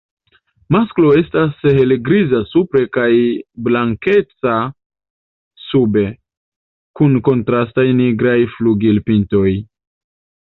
Masklo estas helgriza supre kaj blankeca sube, kun kontrastaj nigraj flugilpintoj.